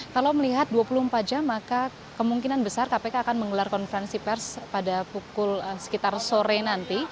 kalau melihat dua puluh empat jam maka kemungkinan besar kpk akan menggelar konferensi pers pada pukul sekitar sore nanti